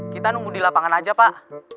kita nunggu di lapangan aja pak